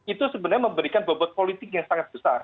itu sebenarnya memberikan bobot politik yang sangat besar